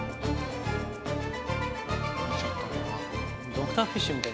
ドクターフィッシュみたい。